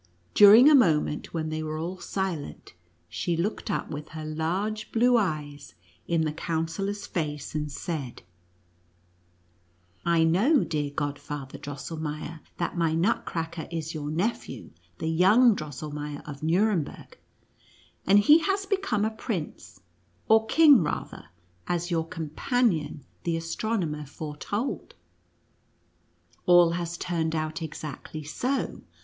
During a moment when they were all silent, she looked up with her large blue eyes in the Counsellor's face, and said :" I know, dear God father Drosselmeier, that my Nutcracker is your nephew, the young Drosselmeier, of Nuremberg, and he has become a prince, or king rather, as your companion, the astronomer, foretold. All has turned out exactly so.